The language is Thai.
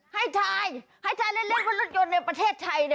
ให้ชายให้ชายเล็กว่ารถยนต์ในประเทศไทย